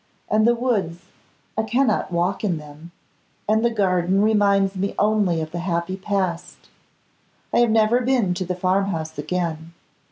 And the woods, I cannot walk in them, and the garden reminds me only of the happy past. I have never been to the farm house again.